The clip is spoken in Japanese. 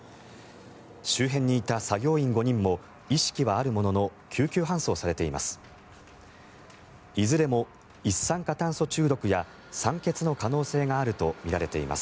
周辺にいた作業員５人も意識はあるものの救急搬送されています。